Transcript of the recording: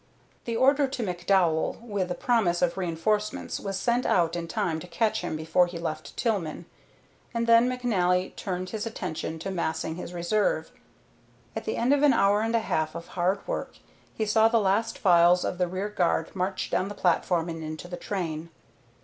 The order to McDowell with the promise of reeforcements was sent out in time to catch him before he left Tillman, and then McNally turned his attention to massing his reserve. At the end of an hour and a half of hard work he saw the last files of the rear guard march down the platform and into the train.